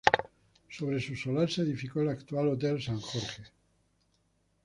Sobre su solar se edificó el actual Hotel St George.